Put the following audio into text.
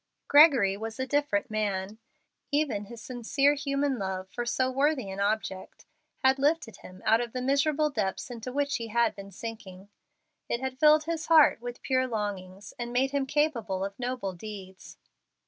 Gregory was a different man. Even his sincere human love for so worthy an object had lifted him out of the miserable depths into which he had been sinking. It had filled his heart with pure longings, and made him capable of noble deeds.